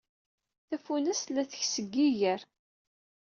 Tafunast la tkess deg yiger.